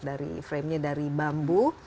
dari framenya dari bambu